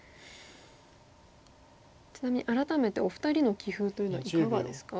ちなみに改めてお二人の棋風というのはいかがですか？